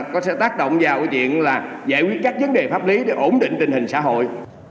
có tác động vào việc giải quyết các vấn đề pháp lý để ổn định tình hình xã hội